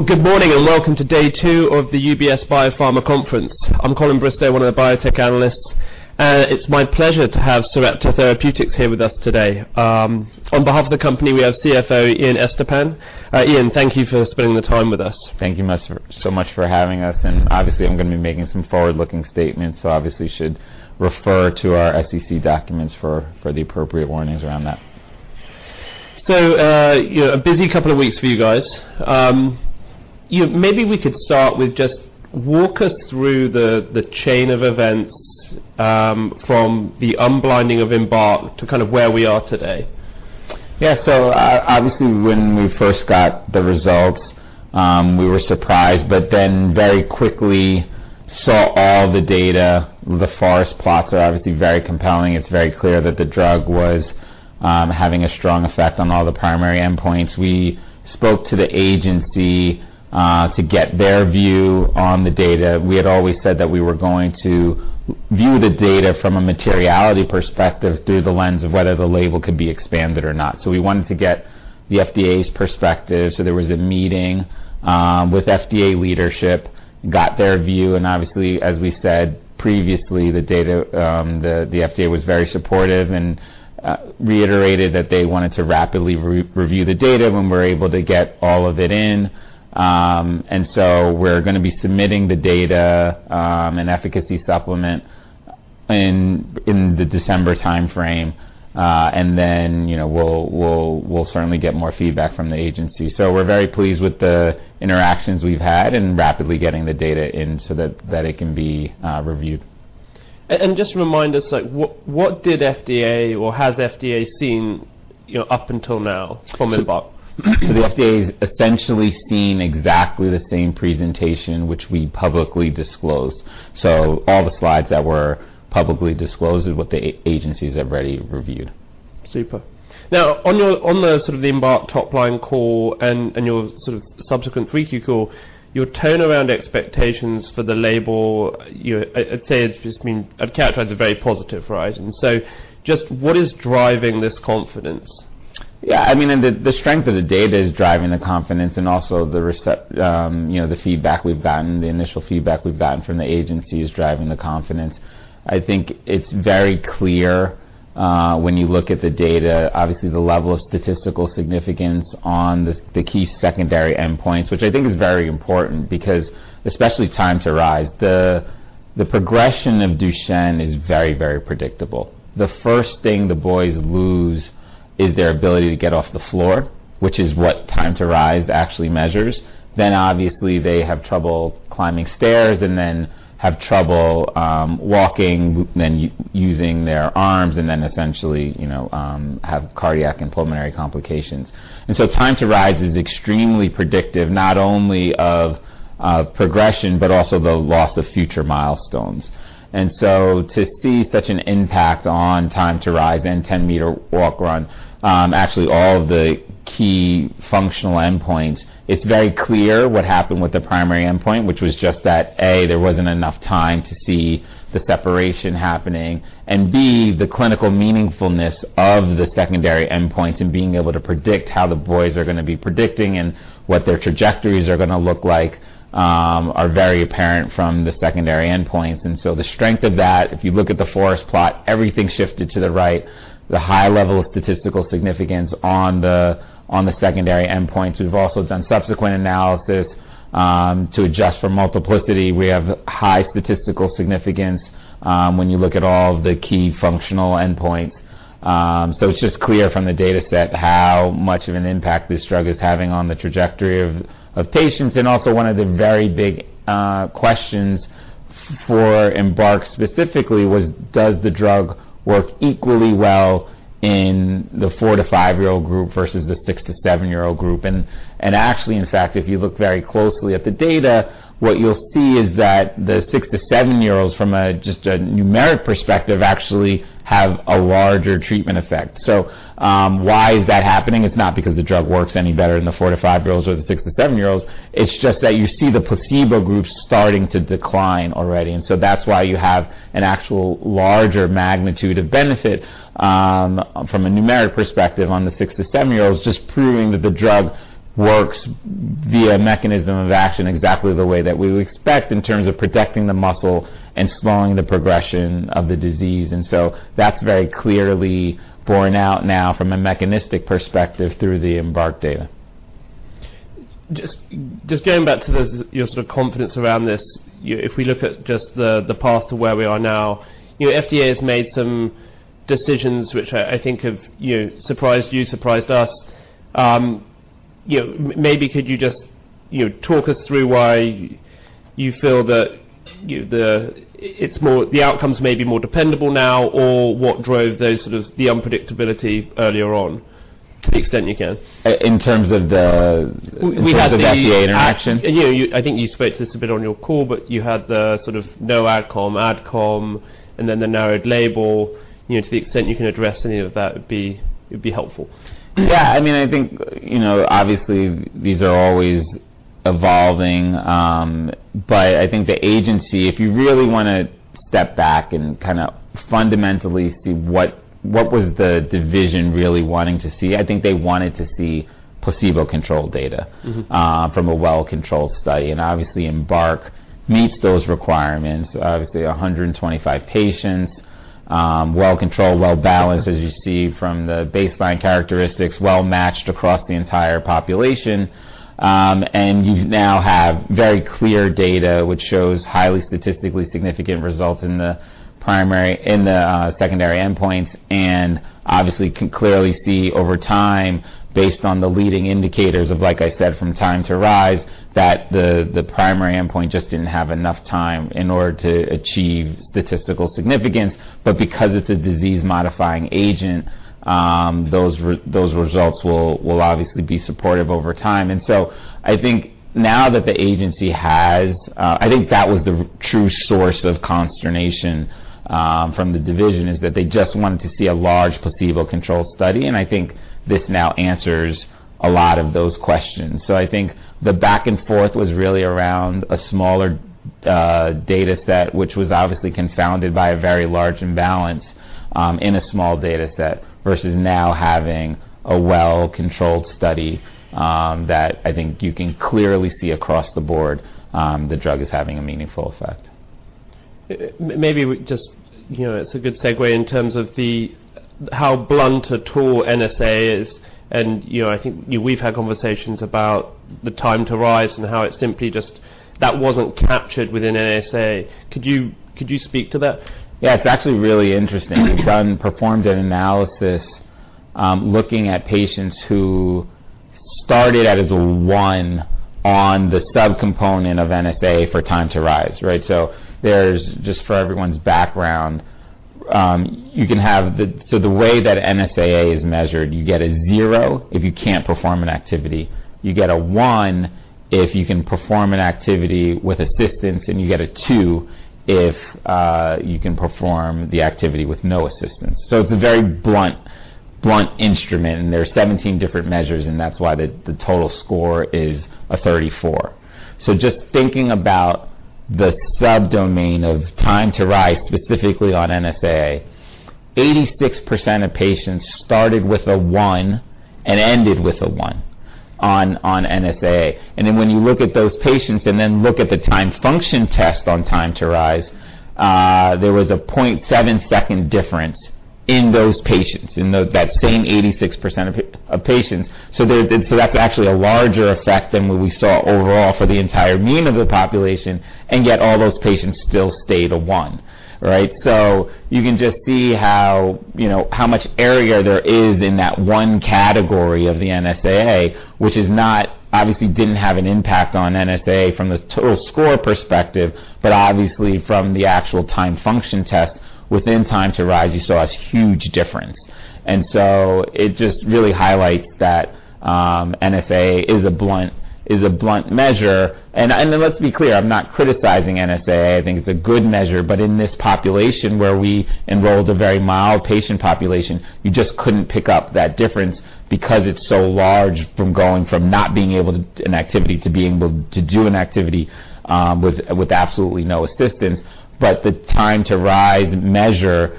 Well, good morning, and welcome to day two of the UBS Biopharma Conference. I'm Colin Bristow, one of the biotech analysts. It's my pleasure to have Sarepta Therapeutics here with us today. On behalf of the company, we have CFO, Ian Estepan. Ian, thank you for spending the time with us. Thank you so, so much for having us, and obviously, I'm gonna be making some forward-looking statements, so obviously should refer to our SEC documents for the appropriate warnings around that. So, you know, a busy couple of weeks for you guys. Maybe we could start with just walk us through the chain of events from the unblinding of EMBARK to kind of where we are today. Yeah. So, obviously, when we first got the results, we were surprised, but then very quickly saw all the data. The forest plots are obviously very compelling. It's very clear that the drug was having a strong effect on all the primary endpoints. We spoke to the agency to get their view on the data. We had always said that we were going to view the data from a materiality perspective through the lens of whether the label could be expanded or not. So we wanted to get the FDA's perspective, so there was a meeting with FDA leadership, got their view, and obviously, as we said previously, the data, the FDA was very supportive and reiterated that they wanted to rapidly re-review the data when we're able to get all of it in. and so we're gonna be submitting the data and efficacy supplement in the December timeframe, and then, you know, we'll certainly get more feedback from the agency. So we're very pleased with the interactions we've had and rapidly getting the data in so that it can be reviewed. Just remind us, like, what, what did FDA or has FDA seen, you know, up until now from EMBARK? So the FDA has essentially seen exactly the same presentation which we publicly disclosed. So all the slides that were publicly disclosed is what the agency has already reviewed. Super. Now, on the sort of EMBARK top line call and your sort of subsequent 3Q call, your turnaround expectations for the label, I'd say it's just been, I'd characterize it, very positive horizon. So just what is driving this confidence? Yeah, I mean, and the strength of the data is driving the confidence and also the recent, you know, the feedback we've gotten, the initial feedback we've gotten from the agency is driving the confidence. I think it's very clear, when you look at the data, obviously, the level of statistical significance on the key secondary endpoints, which I think is very important because especially time to rise. The progression of Duchenne is very, very predictable. The first thing the boys lose is their ability to get off the floor, which is what time to rise actually measures. Then, obviously, they have trouble climbing stairs and then have trouble walking, then using their arms, and then essentially, you know, have cardiac and pulmonary complications. And so time to rise is extremely predictive, not only of, of progression but also the loss of future milestones. And so to see such an impact on time to rise and ten-meter walk/run, actually all of the key functional endpoints, it's very clear what happened with the primary endpoint, which was just that, A, there wasn't enough time to see the separation happening, and B, the clinical meaningfulness of the secondary endpoints and being able to predict how the boys are gonna be predicting and what their trajectories are gonna look like, are very apparent from the secondary endpoints. And so the strength of that, if you look at the forest plot, everything shifted to the right, the high level of statistical significance on the, on the secondary endpoints. We've also done subsequent analysis, to adjust for multiplicity. We have high statistical significance, when you look at all the key functional endpoints. So it's just clear from the data set, how much of an impact this drug is having on the trajectory of, of patients. And also one of the very big questions for EMBARK specifically was, Does the drug work equally well in the 4- to 5-year-old group versus the 6- to 7-year-old group? And, and actually, in fact, if you look very closely at the data, what you'll see is that the 6- to 7-year-olds, from a, just a numeric perspective, actually have a larger treatment effect. So, why is that happening? It's not because the drug works any better in the 4- to 5-year-olds or the 6- to 7-year-olds. It's just that you see the placebo group starting to decline already, and so that's why you have an actual larger magnitude of benefit, from a numeric perspective on the 6-7-year-olds, just proving that the drug works via a mechanism of action, exactly the way that we would expect in terms of protecting the muscle and slowing the progression of the disease. And so that's very clearly borne out now from a mechanistic perspective through the EMBARK data. Just going back to the, your sort of confidence around this. If we look at just the path to where we are now, you know, FDA has made some decisions, which I think have, you know, surprised you, surprised us. You know, maybe could you just, you know, talk us through why you feel that, you... the-- it's more, the outcomes may be more dependable now, or what drove those sort of the unpredictability earlier on, to the extent you can? In terms of the- We had the- FDA interaction? Yeah, you... I think you spoke to this a bit on your call, but you had the sort of no AdCom, AdCom, and then the narrowed label. You know, to the extent you can address any of that, it'd be, it'd be helpful. Yeah. I mean, I think, you know, obviously these are always evolving, but I think the agency, if you really want to step back and kind of fundamentally see what, what was the division really wanting to see? I think they wanted to see placebo-controlled data- Mm-hmm. From a well-controlled study, and obviously, EMBARK meets those requirements. Obviously, 125 patients, well controlled, well balanced, as you see from the baseline characteristics, well matched across the entire population. And you now have very clear data, which shows highly statistically significant results in the primary, in the secondary endpoints, and obviously, can clearly see over time, based on the leading indicators of, like I said, from time to rise, that the primary endpoint just didn't have enough time in order to achieve statistical significance. But because it's a disease-modifying agent, those results will obviously be supportive over time. And so I think now that the agency has... I think that was the true source of consternation from the division, is that they just wanted to see a large placebo-controlled study, and I think this now answers a lot of those questions. So I think the back and forth was really around a smaller data set, which was obviously confounded by a very large imbalance in a small data set, versus now having a well-controlled study that I think you can clearly see across the board the drug is having a meaningful effect. Maybe we just, you know, it's a good segue in terms of the, how blunt a tool NSAA is, and, you know, I think we've had conversations about the time to rise and how it simply just... That wasn't captured within NSAA. Could you, could you speak to that? Yeah, it's actually really interesting. We've done, performed an analysis, looking at patients who started out as a one on the subcomponent of NSAA for time to rise, right? So there's, just for everyone's background, you can have the—so the way that NSAA is measured, you get a 0 if you can't perform an activity, you get a one if you can perform an activity with assistance, and you get a two if you can perform the activity with no assistance. So it's a very blunt instrument, and there are 17 different measures, and that's why the total score is a 34. So just thinking about the sub-domain of time to rise, specifically on NSAA, 86% of patients started with a one and ended with a one on NSAA. Then, when you look at those patients and then look at the time function test on time to rise, there was a 0.7-second difference in those patients, in that same 86% of patients. So that's actually a larger effect than what we saw overall for the entire mean of the population, and yet all those patients still stay the one, right? So you can just see how, you know, how much area there is in that one category of the NSAA, which is not obviously didn't have an impact on NSAA from the total score perspective, but obviously from the actual time function test, within time to rise, you saw a huge difference. And so it just really highlights that NSAA is a blunt measure. Then, let's be clear, I'm not criticizing NSAA. I think it's a good measure, but in this population, where we enrolled a very mild patient population, you just couldn't pick up that difference because it's so large from going from not being able to an activity, to being able to do an activity, with absolutely no assistance. But the time to rise measure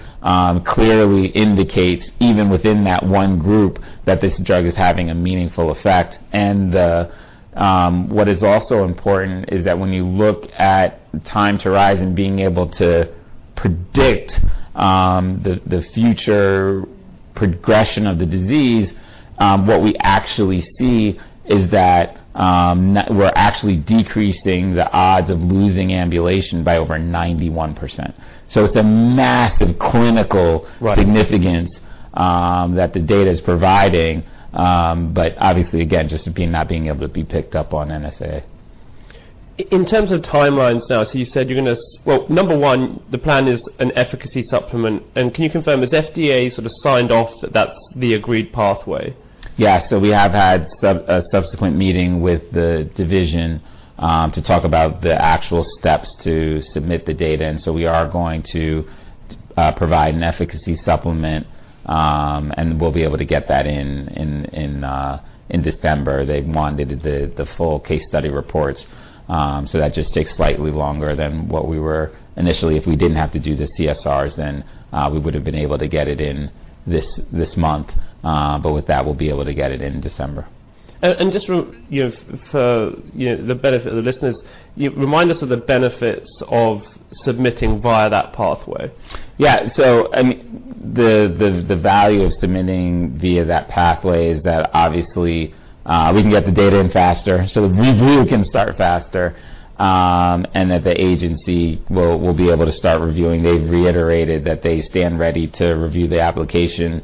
clearly indicates, even within that one group, that this drug is having a meaningful effect. And what is also important is that when you look at time to rise and being able to predict the future progression of the disease, what we actually see is that we're actually decreasing the odds of losing ambulation by over 91%. So it's a massive clinical- Right. significance, that the data is providing, but obviously, again, just it being, not being able to be picked up on NSAA. In terms of timelines now, so you said you're gonna... Well, number one, the plan is an efficacy supplement. Can you confirm, has FDA sort of signed off that that's the agreed pathway? Yeah. So we have had a subsequent meeting with the division, to talk about the actual steps to submit the data, and so we are going to provide an efficacy supplement, and we'll be able to get that in, in, in, in December. They've mandated the, the full case study reports. So that just takes slightly longer than what we were... Initially, if we didn't have to do the CSRs, then, we would've been able to get it in this, this month, but with that, we'll be able to get it in December. And just for, you know, the benefit of the listeners, you remind us of the benefits of submitting via that pathway. Yeah, so, I mean, the value of submitting via that pathway is that obviously we can get the data in faster, so review can start faster, and that the agency will be able to start reviewing. They've reiterated that they stand ready to review the application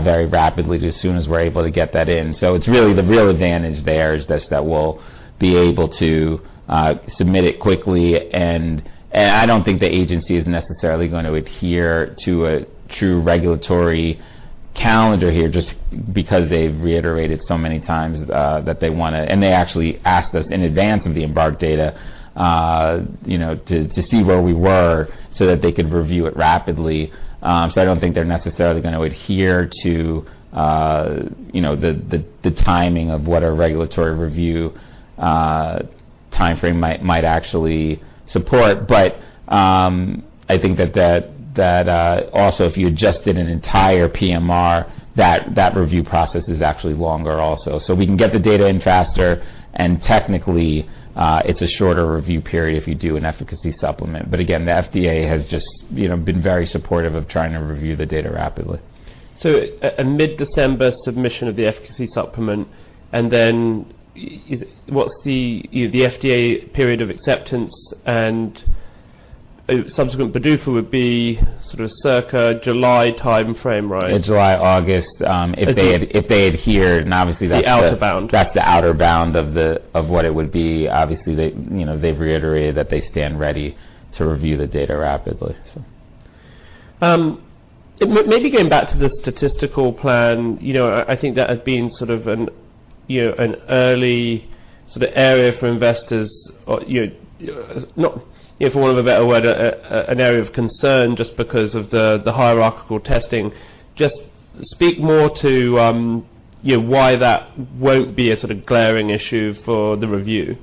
very rapidly, as soon as we're able to get that in. So it's really the real advantage there is just that we'll be able to submit it quickly, and I don't think the agency is necessarily going to adhere to a true regulatory calendar here, just because they've reiterated so many times that they wanna and they actually asked us in advance of the EMBARK Data, you know, to see where we were, so that they could review it rapidly. So I don't think they're necessarily gonna adhere to, you know, the timing of what a regulatory review time frame might actually support. But, I think that also, if you adjusted an entire PMR, that review process is actually longer also. So we can get the data in faster, and technically, it's a shorter review period if you do an efficacy supplement. But again, the FDA has just, you know, been very supportive of trying to review the data rapidly. So, a mid-December submission of the Efficacy supplement, and then what's the FDA period of acceptance and subsequent PDUFA would be sort of circa July time frame, right? In July, August, if they adhere, and obviously, that's the- The outer bound. That's the outer bound of what it would be. Obviously, they, you know, they've reiterated that they stand ready to review the data rapidly, so. Maybe getting back to the statistical plan, you know, I think that has been sort of an, you know, an early sort of area for investors or, you know, not, for want of a better word, an area of concern just because of the hierarchical testing. Just speak more to, you know, why that won't be a sort of glaring issue for the review.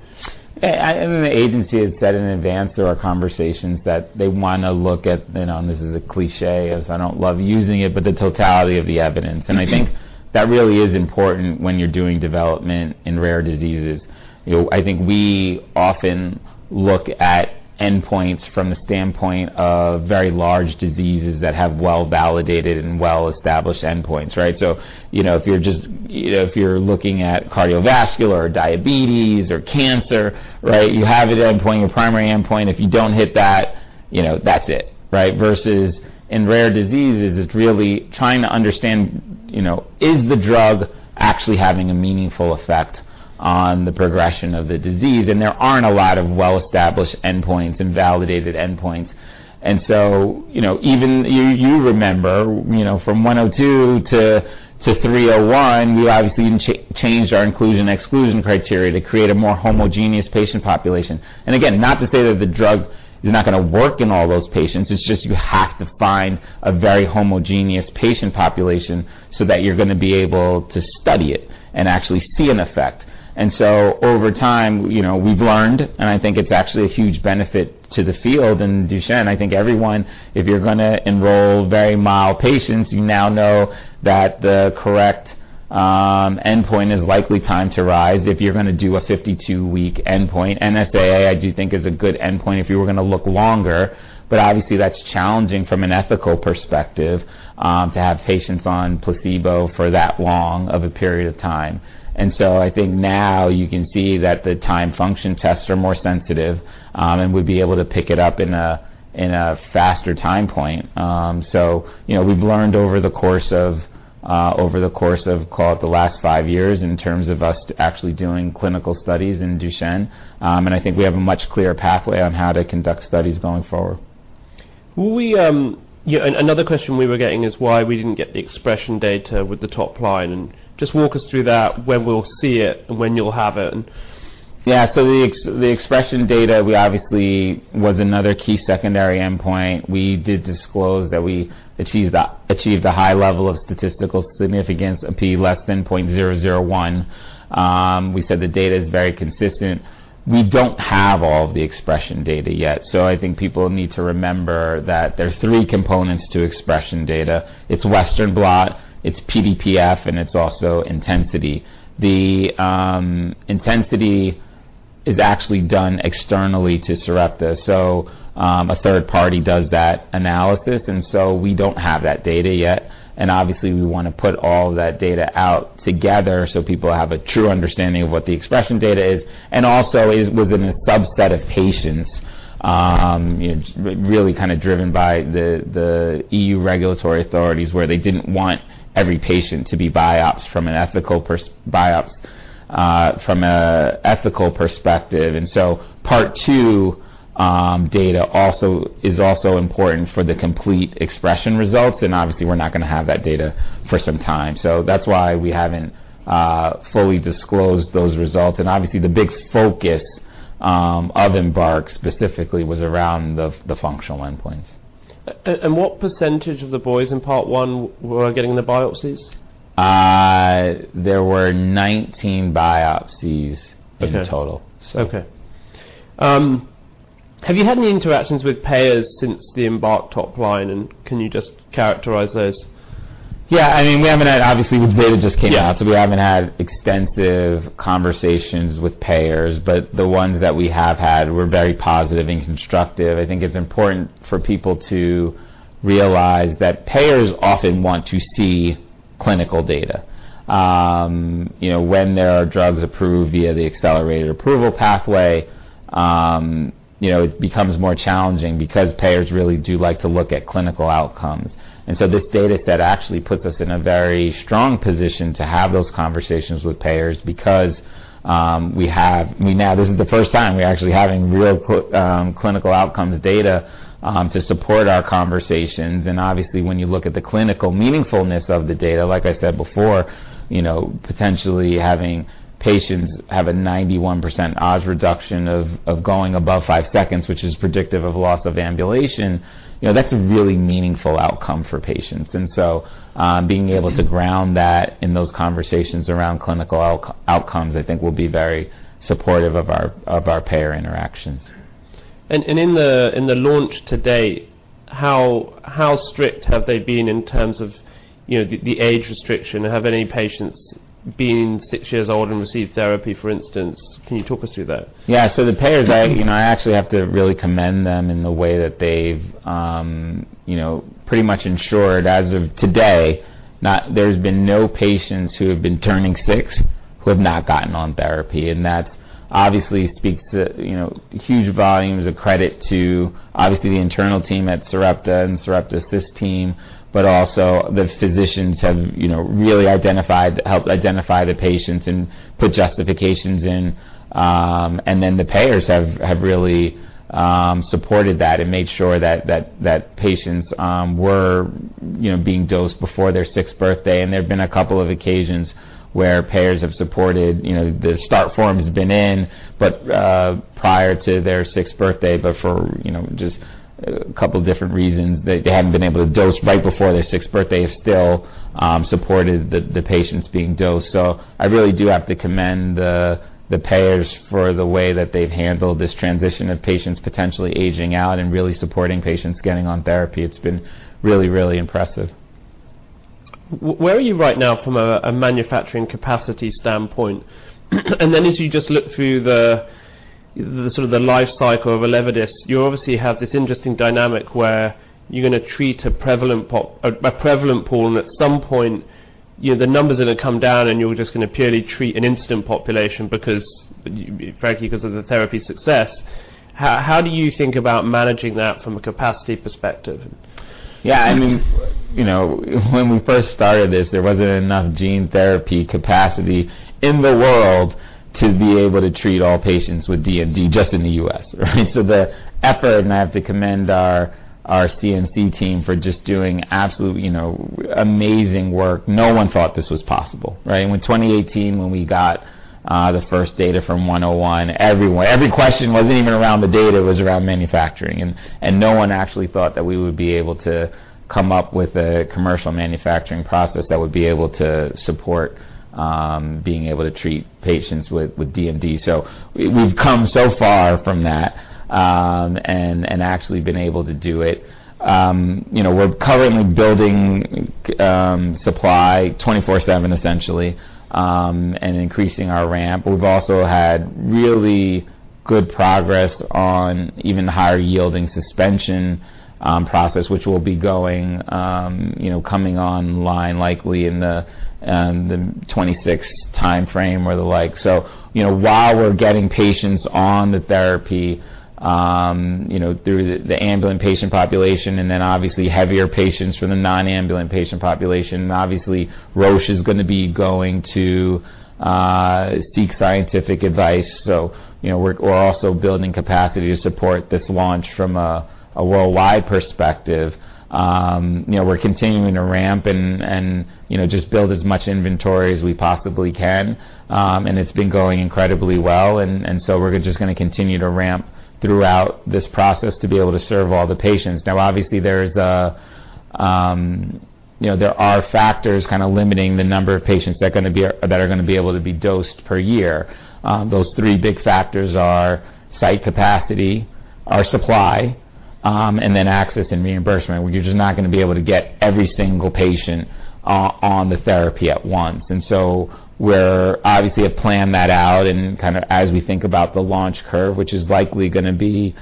I mean, the agency has said in advance there are conversations that they wanna look at, you know, and this is a cliché, as I don't love using it, but the totality of the evidence. Mm-hmm. I think that really is important when you're doing development in rare diseases. You know, I think we often look at endpoints from the standpoint of very large diseases that have well-validated and well-established endpoints, right? So, you know, if you're just... You know, if you're looking at cardiovascular or diabetes or cancer, right, you have an endpoint, a primary endpoint. If you don't hit that, you know, that's it, right? Versus in rare diseases, it's really trying to understand, you know, is the drug actually having a meaningful effect on the progression of the disease? And there aren't a lot of well-established endpoints and validated endpoints. And so, you know, even you, you remember, you know, from 102 to 301, we obviously changed our inclusion and exclusion criteria to create a more homogeneous patient population. Again, not to say that the drug is not gonna work in all those patients, it's just you have to find a very homogeneous patient population so that you're gonna be able to study it and actually see an effect. So over time, you know, we've learned, and I think it's actually a huge benefit to the field in Duchenne. I think everyone, if you're gonna enroll very mild patients, you now know that the correct endpoint is likely time to rise if you're gonna do a 52-week endpoint. NSAA, I do think, is a good endpoint if you were gonna look longer, but obviously, that's challenging from an ethical perspective, to have patients on placebo for that long of a period of time. I think now you can see that the time function tests are more sensitive, and we'd be able to pick it up in a faster time point. So, you know, we've learned over the course of, call it, the last 5 years in terms of us actually doing clinical studies in Duchenne, and I think we have a much clearer pathway on how to conduct studies going forward. Will we... Yeah, another question we were getting is why we didn't get the expression data with the top line, and just walk us through that, when we'll see it, and when you'll have it, and... Yeah. So the expression data, we obviously, was another key secondary endpoint. We did disclose that we achieved a high level of statistical significance, a p < 0.001. We said the data is very consistent. We don't have all of the expression data yet, so I think people need to remember that there are three components to expression data. It's Western blot, it's PBPF, and it's also intensity. The intensity is actually done externally to Sarepta, so a third party does that analysis, and so we don't have that data yet. And obviously, we wanna put all that data out together so people have a true understanding of what the expression data is. And also, it was in a subset of patients, really kind of driven by the EU regulatory authorities, where they didn't want every patient to be biopsied from an ethical perspective. And so Part 2 data also is also important for the complete expression results, and obviously, we're not gonna have that data for some time. So that's why we haven't fully disclosed those results. And obviously, the big focus of EMBARK specifically was around the functional endpoints. What percentage of the boys in Part 1 were getting the biopsies? There were 19 biopsies- Okay. -in total. Okay. Have you had any interactions with payers since the EMBARK top line, and can you just characterize those? Yeah, I mean, we haven't had... Obviously, the data just came out- Yeah So we haven't had extensive conversations with payers, but the ones that we have had were very positive and constructive. I think it's important for people to realize that payers often want to see clinical data. You know, when there are drugs approved via the accelerated approval pathway, you know, it becomes more challenging because payers really do like to look at clinical outcomes. And so this data set actually puts us in a very strong position to have those conversations with payers because we have... I mean, now this is the first time we're actually having real clinical outcomes data to support our conversations. Obviously, when you look at the clinical meaningfulness of the data, like I said before, you know, potentially having patients have a 91% odds reduction of going above five seconds, which is predictive of loss of ambulation, you know, that's a really meaningful outcome for patients. So, being able to ground that in those conversations around clinical outcomes, I think, will be very supportive of our payer interactions.... And in the launch to date, how strict have they been in terms of, you know, the age restriction? Have any patients been six years old and received therapy, for instance? Can you talk us through that? Yeah. So the payers, I, you know, I actually have to really commend them in the way that they've, you know, pretty much ensured as of today, not—there's been no patients who have been turning six, who have not gotten on therapy. And that obviously speaks to, you know, huge volumes of credit to, obviously, the internal team at Sarepta and Sarepta's CIS team, but also the physicians have, you know, really helped identify the patients and put justifications in. And then the payers have really supported that and made sure that patients were, you know, being dosed before their sixth birthday. And there have been a couple of occasions where payers have supported, you know, the start form has been in, but prior to their sixth birthday, but for, you know, just a couple different reasons, they hadn't been able to dose right before their sixth birthday, still supported the patients being dosed. So I really do have to commend the payers for the way that they've handled this transition of patients potentially aging out and really supporting patients getting on therapy. It's been really, really impressive. Where are you right now from a manufacturing capacity standpoint? And then as you just look through the sort of the life cycle of ELEVIDYS, you obviously have this interesting dynamic where you're gonna treat a prevalent population, and at some point, you know, the numbers are gonna come down, and you're just gonna purely treat an incident population because, frankly, because of the therapy success. How do you think about managing that from a capacity perspective? Yeah, I mean, you know, when we first started this, there wasn't enough gene therapy capacity in the world to be able to treat all patients with DMD just in the U.S., right? So the effort, and I have to commend our, our CMC team for just doing absolutely, you know, amazing work. No one thought this was possible, right? In 2018, when we got the first data from 101, everyone... Every question wasn't even around the data, it was around manufacturing. And no one actually thought that we would be able to come up with a commercial manufacturing process that would be able to support being able to treat patients with DMD. So we've come so far from that, and actually been able to do it. You know, we're currently building supply 24/7, essentially, and increasing our ramp. We've also had really good progress on even the higher yielding suspension process, which will be going, you know, coming online likely in the 2026 timeframe or the like. So, you know, while we're getting patients on the therapy, you know, through the ambulatory patient population, and then obviously heavier patients from the non-ambulatory patient population, obviously, Roche is gonna be going to seek scientific advice. So, you know, we're also building capacity to support this launch from a worldwide perspective. You know, we're continuing to ramp and just build as much inventory as we possibly can. And it's been going incredibly well, and so we're just gonna continue to ramp throughout this process to be able to serve all the patients. Now, obviously, there's a, you know, there are factors kind of limiting the number of patients that are gonna be able to be dosed per year. Those three big factors are site capacity, our supply, and then access and reimbursement, where you're just not gonna be able to get every single patient on the therapy at once. We're obviously have planned that out and kind of as we think about the launch curve, which is likely gonna be,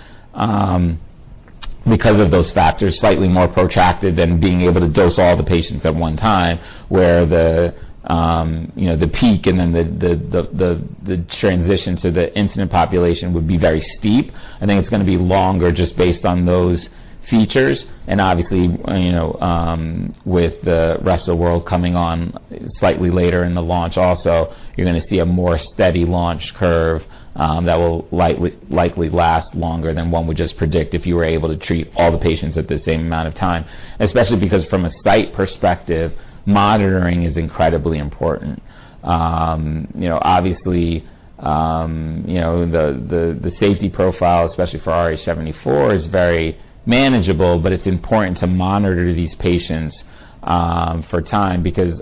because of those factors, slightly more protracted than being able to dose all the patients at one time, where the, you know, the peak and then the transition to the incident population would be very steep. I think it's gonna be longer just based on those features. And obviously, you know, with the rest of the world coming on slightly later in the launch also, you're gonna see a more steady launch curve, that will likely last longer than one would just predict if you were able to treat all the patients at the same amount of time, especially because from a site perspective, monitoring is incredibly important. You know, obviously, you know, the safety profile, especially for AAVrh74, is very manageable, but it's important to monitor these patients over time because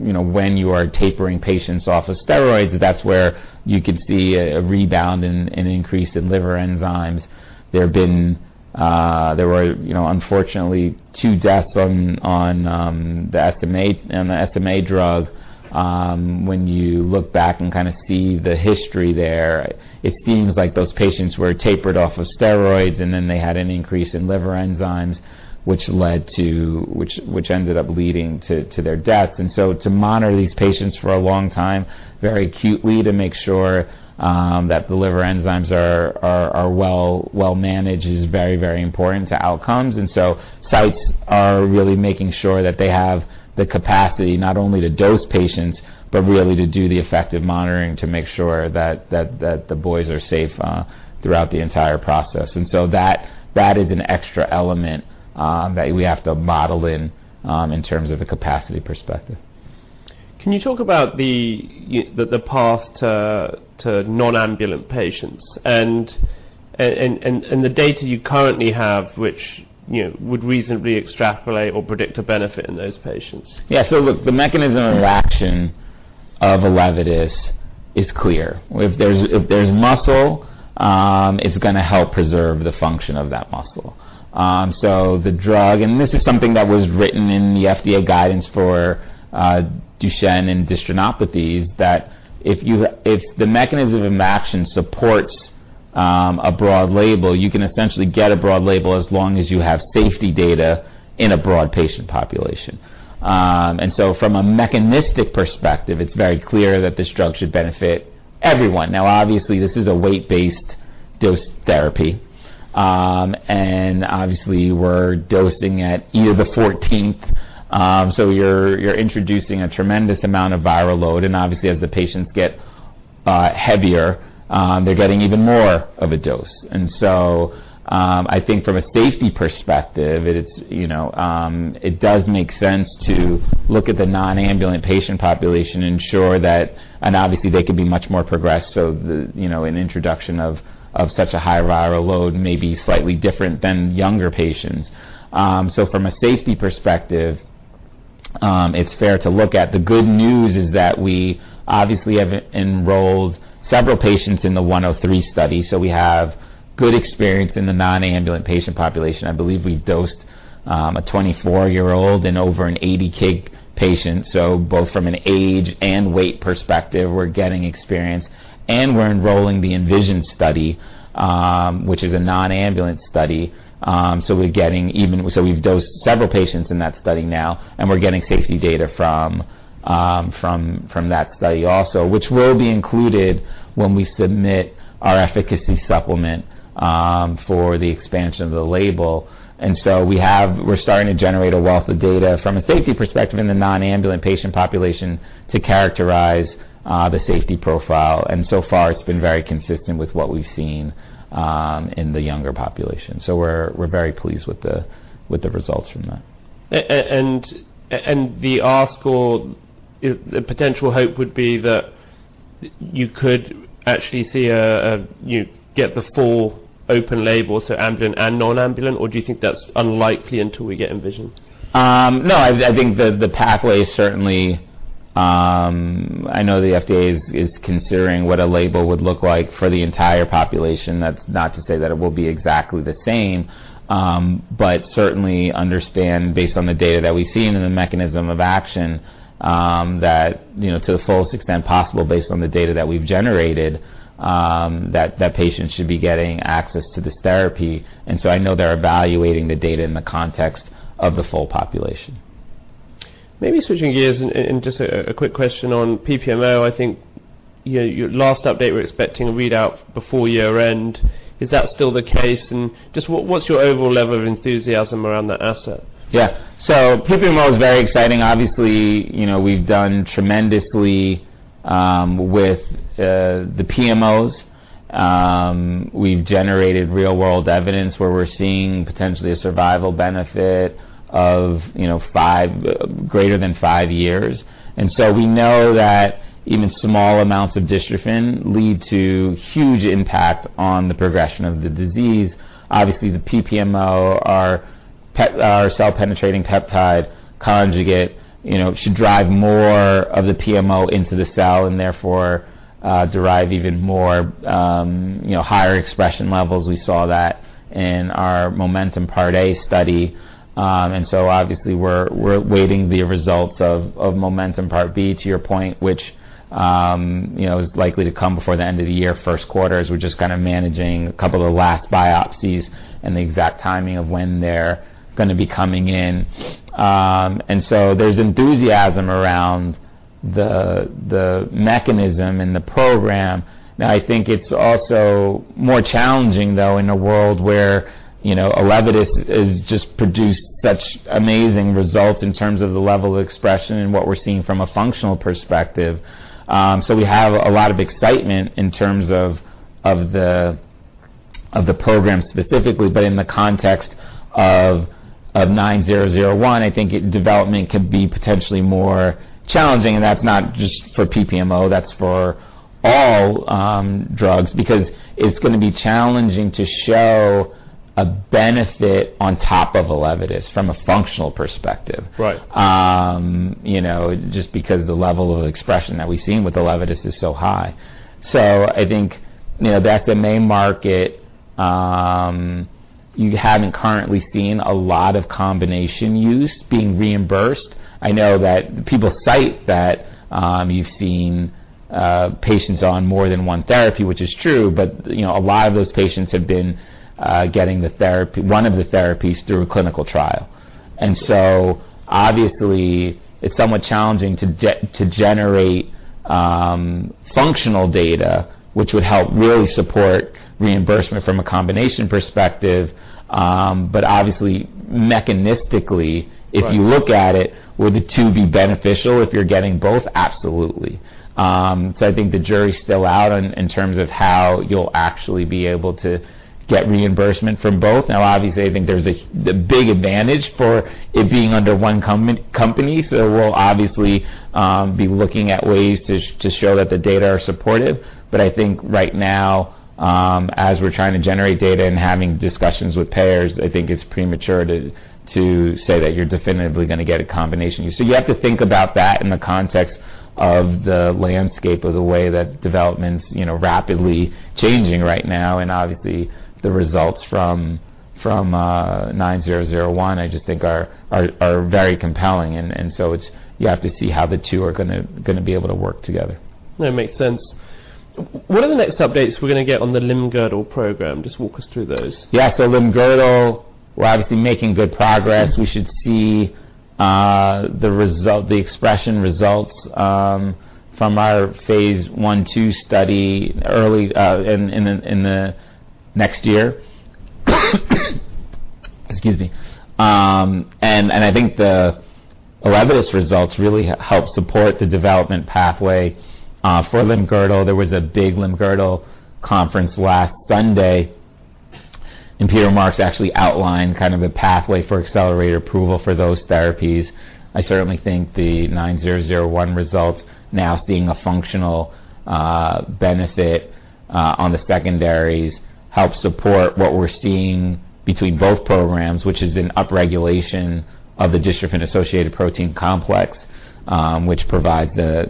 you know, when you are tapering patients off of steroids, that's where you could see a rebound and an increase in liver enzymes. There have been, uh... There were, you know, unfortunately, two deaths on the SMA drug. When you look back and kind of see the history there, it seems like those patients were tapered off of steroids, and then they had an increase in liver enzymes, which ended up leading to their death. And so to monitor these patients for a long time, very acutely, to make sure that the liver enzymes are well-managed, is very, very important to outcomes. And so sites are really making sure that they have the capacity not only to dose patients, but really to do the effective monitoring to make sure that the boys are safe throughout the entire process. And so that is an extra element that we have to model in terms of a capacity perspective. Can you talk about the path to non-ambulatory patients, and the data you currently have, which, you know, would reasonably extrapolate or predict a benefit in those patients? Yeah. So the mechanism of action of ELEVIDYS is clear. If there's muscle, it's gonna help preserve the function of that muscle. So the drug, and this is something that was written in the FDA guidance for Duchenne and dystrophinopathies, that if the mechanism of action supports a broad label, you can essentially get a broad label as long as you have safety data in a broad patient population. And so from a mechanistic perspective, it's very clear that this drug should benefit everyone. Now, obviously, this is a weight-based dose therapy. And obviously, we're dosing at 10 to the 14th. So you're introducing a tremendous amount of viral load, and obviously as the patients get heavier, they're getting even more of a dose. So, I think from a safety perspective, it's, you know, it does make sense to look at the non-ambulatory patient population, ensure that... And obviously, they can be much more progressed, so the, you know, an introduction of such a high viral load may be slightly different than younger patients. So from a safety perspective, it's fair to look at. The good news is that we obviously have enrolled several patients in the 103 study, so we have good experience in the non-ambulatory patient population. I believe we dosed a 24-year-old and over an 80 kg patient, so both from an age and weight perspective, we're getting experience, and we're enrolling the ENVISION study, which is a non-ambulatory study. So we've dosed several patients in that study now, and we're getting safety data from that study also, which will be included when we submit our efficacy supplement for the expansion of the label. So we have we're starting to generate a wealth of data from a safety perspective in the non-ambulatory patient population to characterize the safety profile, and so far, it's been very consistent with what we've seen in the younger population. So we're very pleased with the results from that. The ask or the potential hope would be that you could actually see. You'd get the full open label, so ambulant and nonambulant, or do you think that's unlikely until we get Envision? No, I think the pathway certainly. I know the FDA is considering what a label would look like for the entire population. That's not to say that it will be exactly the same, but certainly understand, based on the data that we've seen and the mechanism of action, that, you know, to the fullest extent possible, based on the data that we've generated, that patients should be getting access to this therapy, and so I know they're evaluating the data in the context of the full population. Maybe switching gears and just a quick question on PPMO. I think your last update, we're expecting a readout before year-end. Is that still the case? And just what's your overall level of enthusiasm around that asset? Yeah. So PPMO is very exciting. Obviously, you know, we've done tremendously with the PMOs. We've generated real-world evidence where we're seeing potentially a survival benefit of, you know, greater than 5 years. And so we know that even small amounts of dystrophin lead to huge impact on the progression of the disease. Obviously, the PPMO, our cell-penetrating peptide conjugate, you know, should drive more of the PMO into the cell and therefore derive even more, you know, higher expression levels. We saw that in our MOMENTUM Part A study. And so obviously, we're awaiting the results of Momentum Part B, to your point, which, you know, is likely to come before the end of the year, first quarter, as we're just kind of managing a couple of last biopsies and the exact timing of when they're gonna be coming in. And so there's enthusiasm around the mechanism and the program. Now, I think it's also more challenging, though, in a world where, you know, ELEVIDYS has just produced such amazing results in terms of the level of expression and what we're seeing from a functional perspective. So we have a lot of excitement in terms of the program specifically, but in the context of 9001, I think development could be potentially more challenging, and that's not just for PPMO, that's for all drugs. Because it's gonna be challenging to show a benefit on top of ELEVIDYS from a functional perspective. Right. You know, just because the level of expression that we've seen with ELEVIDYS is so high. So I think, you know, that's the main market. You haven't currently seen a lot of combination use being reimbursed. I know that people cite that, you've seen patients on more than one therapy, which is true, but, you know, a lot of those patients have been getting the therapy, one of the therapies through a clinical trial. And so obviously, it's somewhat challenging to generate functional data, which would help really support reimbursement from a combination perspective. But obviously, mechanistically- Right... if you look at it, would the two be beneficial if you're getting both? Absolutely. So I think the jury is still out in terms of how you'll actually be able to get reimbursement from both. Now, obviously, I think there's the big advantage for it being under one company, so we'll obviously be looking at ways to show that the data are supportive. But I think right now, as we're trying to generate data and having discussions with payers, I think it's premature to say that you're definitively gonna get a combination use. So you have to think about that in the context of the landscape of the way that development's, you know, rapidly changing right now. And obviously, the results from 9001, I just think are very compelling, and so it's, you have to see how the two are gonna be able to work together. That makes sense. What are the next updates we're gonna get on the limb-girdle program? Just walk us through those. Yeah. So Limb-girdle, we're obviously making good progress. We should see the result, the expression results from our phase I/II study early in the next year. Excuse me. And I think the ELEVIDYS results really help support the development pathway for Limb-girdle. There was a big Limb-girdle conference last Sunday, and Peter Marks actually outlined kind of a pathway for accelerated approval for those therapies. I certainly think the 9001 results, now seeing a functional benefit on the secondaries, help support what we're seeing between both programs, which is an upregulation of the dystrophin-associated protein complex, which provides the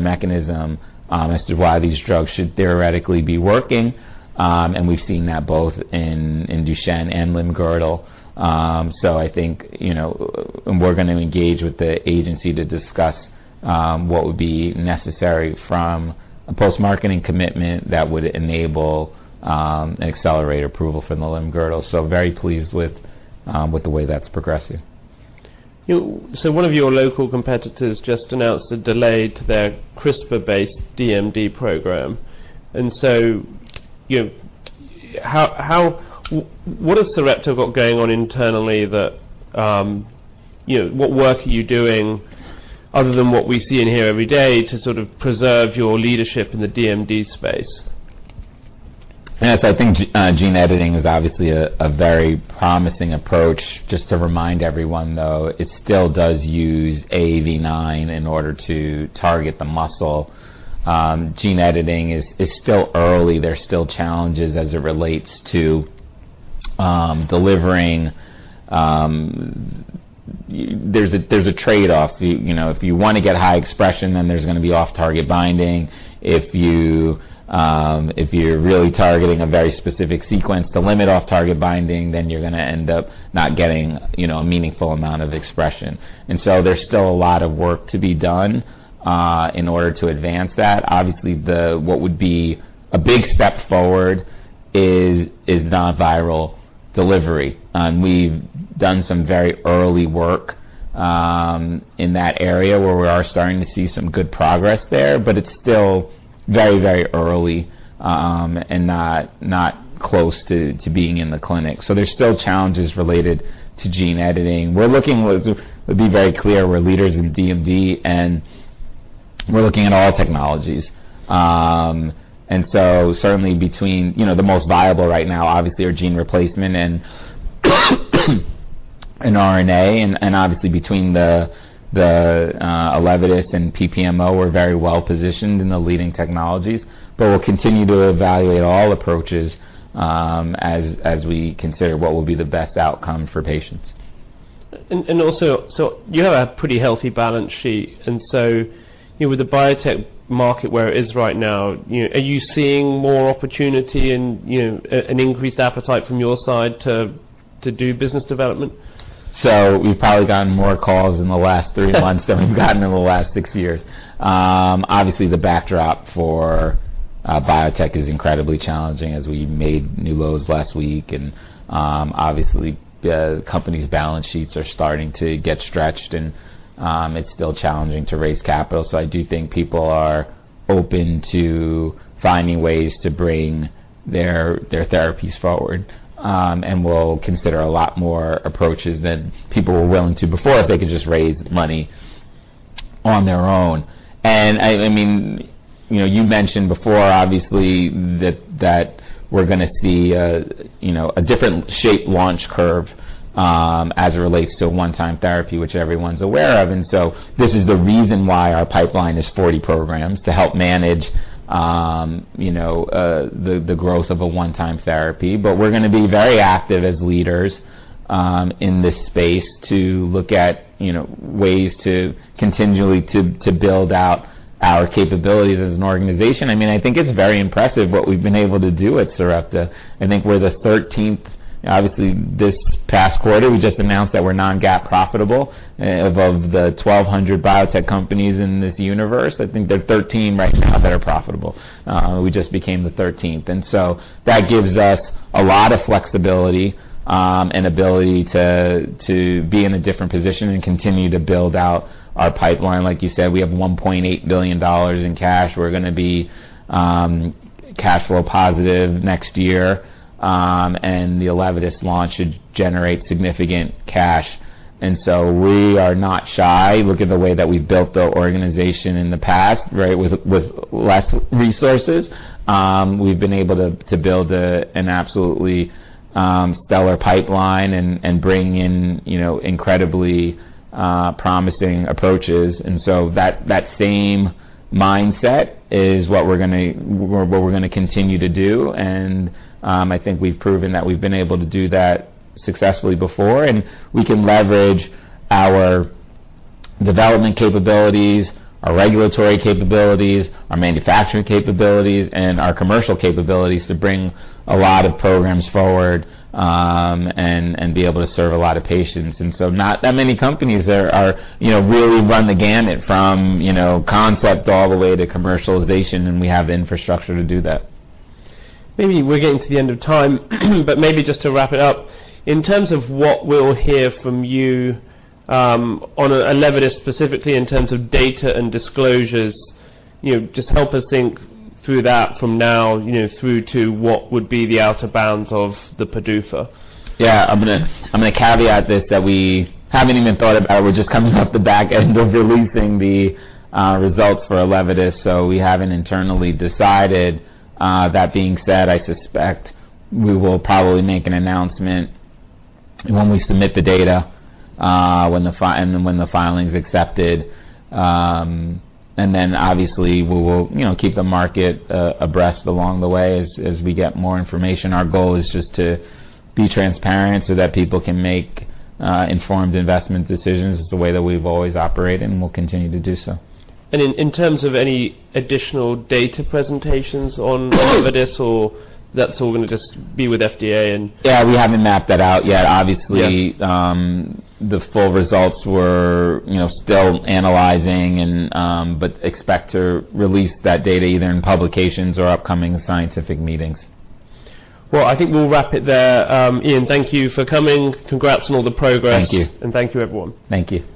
mechanism as to why these drugs should theoretically be working. And we've seen that both in Duchenne and Limb-girdle. So I think, you know, and we're gonna engage with the agency to discuss what would be necessary from a post-marketing commitment that would enable an accelerated approval for the limb-girdle. So very pleased with the way that's progressing. So one of your local competitors just announced a delay to their CRISPR-based DMD program, and so, you know, what has Sarepta got going on internally that, you know, what work are you doing other than what we see in here every day to sort of preserve your leadership in the DMD space? Yes, I think gene editing is obviously a very promising approach. Just to remind everyone, though, it still does use AAV9 in order to target the muscle. Gene editing is still early. There are still challenges as it relates to delivering. There's a trade-off. You know, if you want to get high expression, then there's gonna be off-target binding. If you're really targeting a very specific sequence to limit off-target binding, then you're gonna end up not getting, you know, a meaningful amount of expression. And so there's still a lot of work to be done in order to advance that. Obviously, what would be a big step forward is nonviral delivery. We've done some very early work in that area, where we are starting to see some good progress there, but it's still very, very early, and not close to being in the clinic. So there's still challenges related to gene editing. We're looking; let's be very clear, we're leaders in DMD, and we're looking at all technologies. And so certainly between, you know, the most viable right now, obviously, are gene replacement and RNA, and obviously between the ELEVIDYS and PPMO, we're very well positioned in the leading technologies. But we'll continue to evaluate all approaches, as we consider what will be the best outcome for patients. You have a pretty healthy balance sheet, and so, you know, with the biotech market where it is right now, you know, are you seeing more opportunity and, you know, an increased appetite from your side to do business development? So we've probably gotten more calls in the last 3 months than we've gotten in the last 6 years. Obviously, the backdrop for biotech is incredibly challenging as we made new lows last week. And, obviously, the company's balance sheets are starting to get stretched, and it's still challenging to raise capital. So I do think people are open to finding ways to bring their therapies forward, and will consider a lot more approaches than people were willing to before, if they could just raise money on their own. And I mean, you know, you mentioned before, obviously, that we're gonna see a, you know, a different shape launch curve as it relates to a one-time therapy, which everyone's aware of. And so this is the reason why our pipeline is 40 programs, to help manage, you know, the growth of a one-time therapy. But we're gonna be very active as leaders, in this space to look at, you know, ways to continually to build out our capabilities as an organization. I mean, I think it's very impressive what we've been able to do at Sarepta. I think we're the thirteenth. Obviously, this past quarter, we just announced that we're non-GAAP profitable. Of the 1,200 biotech companies in this universe, I think there are 13 right now that are profitable. We just became the thirteenth, and so that gives us a lot of flexibility, and ability to be in a different position and continue to build out our pipeline. Like you said, we have $1.8 billion in cash. We're gonna be cash flow positive next year, and the ELEVIDYS launch should generate significant cash. So we are not shy. Look at the way that we've built the organization in the past, right, with less resources. We've been able to build an absolutely stellar pipeline and bring in, you know, incredibly promising approaches. So that same mindset is what we're gonna continue to do, and I think we've proven that we've been able to do that successfully before, and we can leverage our development capabilities, our regulatory capabilities, our manufacturing capabilities, and our commercial capabilities to bring a lot of programs forward, and be able to serve a lot of patients. Not that many companies there are, you know, really run the gamut from, you know, concept all the way to commercialization, and we have infrastructure to do that. Maybe we're getting to the end of time, but maybe just to wrap it up. In terms of what we'll hear from you, on, on ELEVIDYS specifically in terms of data and disclosures, you know, just help us think through that from now, you know, through to what would be the outer bounds of the PDUFA. Yeah. I'm gonna caveat this, that we haven't even thought about. We're just coming off the back end of releasing the results for ELEVIDYS, so we haven't internally decided. That being said, I suspect we will probably make an announcement when we submit the data, and when the filing is accepted. And then, obviously, we will, you know, keep the market abreast along the way as we get more information. Our goal is just to be transparent so that people can make informed investment decisions. It's the way that we've always operated, and we'll continue to do so. In terms of any additional data presentations on ELEVIDYS or that's all going to just be with FDA and- Yeah, we haven't mapped that out yet. Yeah. Obviously, the full results were, you know, still analyzing. But expect to release that data either in publications or upcoming scientific meetings. Well, I think we'll wrap it there. Ian, thank you for coming. Congrats on all the progress. Thank you. Thank you, everyone. Thank you.